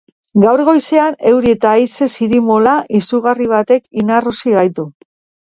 Gaur goizean, euri eta haize zirimola izugarri batek inarrosi gaitu.